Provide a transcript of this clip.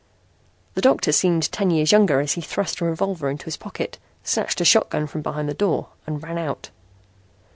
The doctor seemed ten years younger as he thrust a revolver into his pocket, snatched a shotgun from behind the door and ran out.